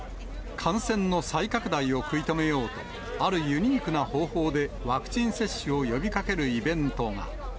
感染の再拡大を食い止めようと、あるユニークな方法でワクチン接種を呼びかけるイベントが。